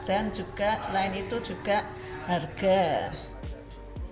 dan juga selain itu juga harga